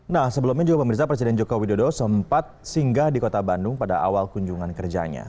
nah sebelumnya juga pemirsa presiden joko widodo sempat singgah di kota bandung pada awal kunjungan kerjanya